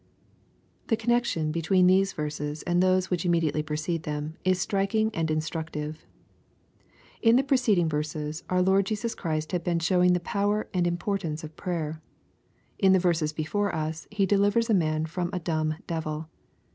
The connexion between these verses and those which immediately precede them, is striking and instructive. In the preceding verses, our Lord Jesus Christ had been showing the power and importance of prayer. In the verses before us, he delivers a man from a dumb devil.